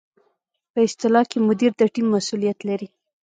په اصطلاح کې مدیر د ټیم مسؤلیت لري.